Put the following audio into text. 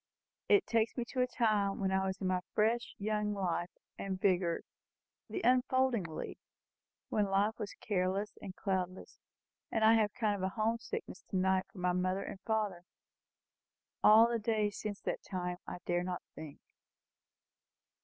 It takes me to a time when I was in my fresh young life and vigour the unfolding leaf when life was careless and cloudless; and I have a kind of home sickness to night for my father and mother. Of the days since that time, I dare not think."